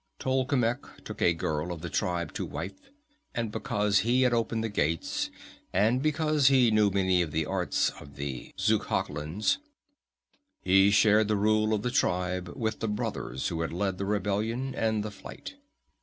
Tolkemec took a girl of the tribe to wife, and because he had opened the gates, and because he knew many of the arts of the Xuchotlans, he shared the rule of the tribe with the brothers who had led the rebellion and the flight.